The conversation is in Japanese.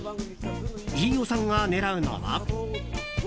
飯尾さんが狙うのは。